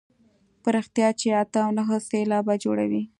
په رښتیا چې اته او نهه سېلابه جوړوي.